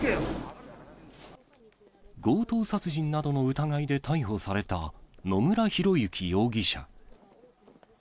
強盗殺人などの疑いで逮捕された野村広之容疑。